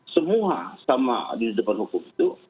semua sama di depan hukum itu